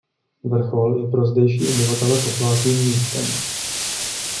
Vrchol je pro zdejší obyvatele posvátným místem.